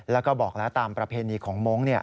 แล้วก็บอกแล้วตามประเพณีของมงค์